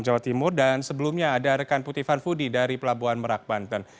jawa timur dan sebelumnya ada rekan puti fanfudi dari pelabuhan merak banten